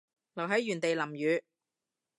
留喺原地淋雨